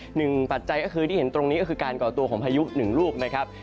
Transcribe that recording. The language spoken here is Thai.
หนึ่งปัจจัยก็คือที่เห็นตรงนี้ก็คือการก่อตัวของพายุ๑รูป